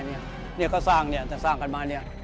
เนี่ยก็สร้างเนี่ยแต่สร้างกันมาเนี่ย